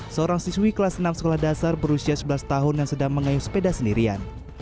seorang siswi kelas enam sekolah dasar berusia sebelas tahun yang sedang mengayuh sepeda sendirian